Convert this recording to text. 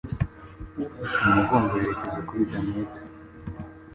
ufite umugongo yerekeza kuri Damietta